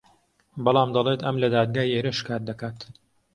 بەڵام دەڵێت ئەم لە دادگای ئێرە شکات دەکات